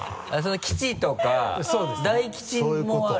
吉とか大吉もある？